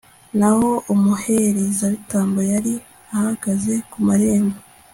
naho umuherezabitambo, yari ahagaze ku marembo